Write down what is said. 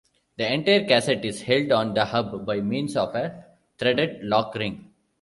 The entire cassette is held on the hub by means of a threaded lockring.